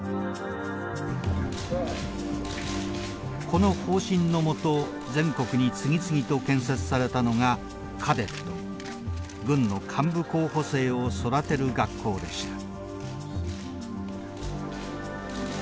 この方針の下全国に次々と建設されたのがカデット軍の幹部候補生を育てる学校でした。